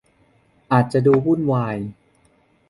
อาจจะดูวุ่นวาย